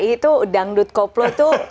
itu dangdut koplo tuh